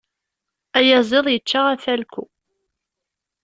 Ayaziḍ ičča afalku.